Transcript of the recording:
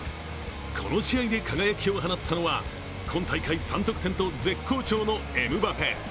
この試合で輝きを放ったのは今大会３得点と絶好調のエムバペ。